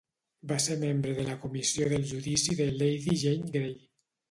Va ser membre de la comissió del judici de Lady Jane Grey.